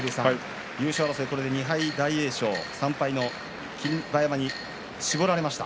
優勝争いは２敗の大栄翔、３敗の霧馬山に絞られました。